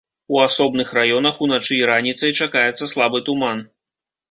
У асобных раёнах уначы і раніцай чакаецца слабы туман.